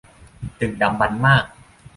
ดึกดำบรรพ์มาก